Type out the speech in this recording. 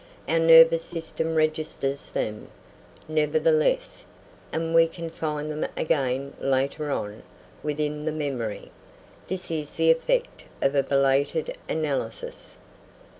Our nervous system registers them, nevertheless, and we can find them again, later on, within the memory. This is the effect of a belated analysis.